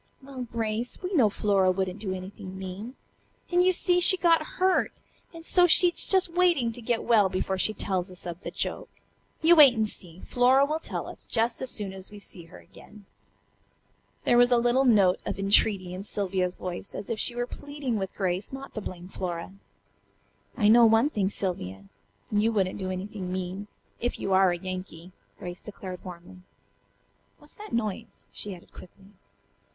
"Well, Grace, we know Flora wouldn't do anything mean. And, you see, she got hurt, and so she's just waiting to get well before she tells us of the joke. You wait and see. Flora will tell us just as soon as we see her again." There was a little note of entreaty in Sylvia's voice, as if she were pleading with Grace not to blame Flora. "I know one thing, Sylvia. You wouldn't do anything mean, if you are a Yankee," Grace declared warmly. "What's that noise?" she added quickly.